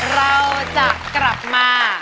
เราจะกลับมา